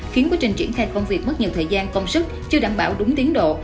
khiến quá trình triển khai công việc mất nhiều thời gian công sức chưa đảm bảo đúng tiến độ